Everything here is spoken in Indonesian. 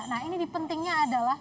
nah ini pentingnya adalah